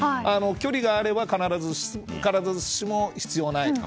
距離があれば、必ずしも必要ない。